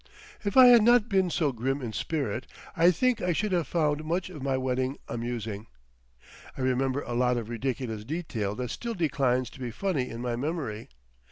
If I had not been so grim in spirit, I think I should have found much of my wedding amusing. I remember a lot of ridiculous detail that still declines to be funny in my memory.